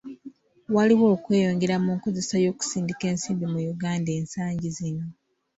Waliwo okweyongera mu nkozesa y'okusindika ensimbi mu Uganda ensangi zino.